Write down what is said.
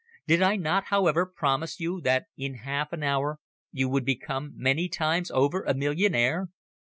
Did I not, however, promise you that in half an hour you would become many times over a millionaire?"